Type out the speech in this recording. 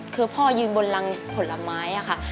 คือพ่อยืนบนรังผลไม้ค่ะ